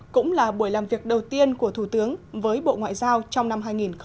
cũng là buổi làm việc đầu tiên của thủ tướng với bộ ngoại giao trong năm hai nghìn hai mươi